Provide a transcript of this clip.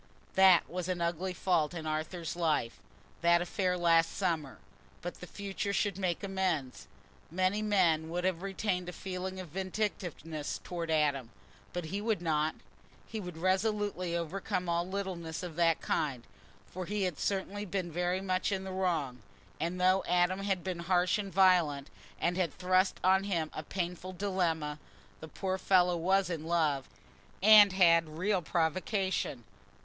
That was an ugly fault in Arthur's life, that affair last summer, but the future should make amends. Many men would have retained a feeling of vindictiveness towards Adam, but he would not—he would resolutely overcome all littleness of that kind, for he had certainly been very much in the wrong; and though Adam had been harsh and violent, and had thrust on him a painful dilemma, the poor fellow was in love, and had real provocation.